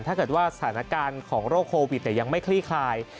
ถ้าเกิดว่าสถานการณ์ของโรคโควิดยังไม่คลี่คลาย